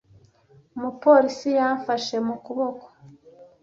Umupolisi yamfashe mu kuboko.